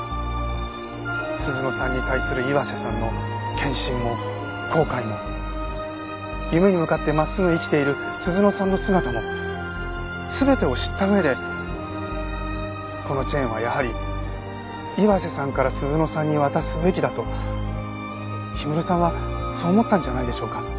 鈴乃さんに対する岩瀬さんの献身も後悔も夢に向かって真っすぐ生きている鈴乃さんの姿も全てを知った上でこのチェーンはやはり岩瀬さんから鈴乃さんに渡すべきだと氷室さんはそう思ったんじゃないでしょうか。